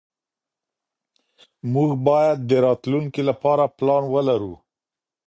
موږ بايد د راتلونکي لپاره پلان ولرو.